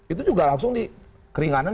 itu juga langsung dikeringanin